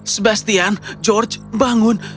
sebastian george bangun